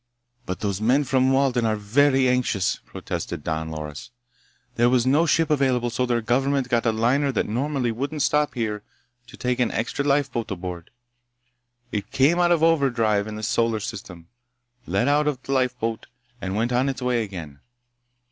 "But those men from Walden are very anxious!" protested Don Loris. "There was no ship available, so their government got a liner that normally wouldn't stop here to take an extra lifeboat aboard. It came out of overdrive in this solar system, let out the lifeboat, and went on its way again.